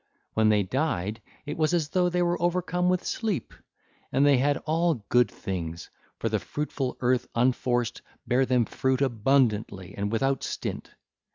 When they died, it was as though they were overcome with sleep, and they had all good things; for the fruitful earth unforced bare them fruit abundantly and without stint.